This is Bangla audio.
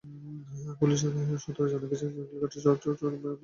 পুলিশ সূত্রে জানা গেছে, গ্রিলকাটা চক্রের সদস্যরা শহরে চুরির জন্য প্রস্তুতি নিচ্ছিলেন।